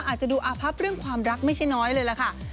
อาจจะดูอาพับเรื่องความรักไม่ใช่น้อยเลยล่ะค่ะ